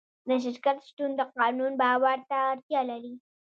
د شرکت شتون د قانون باور ته اړتیا لري.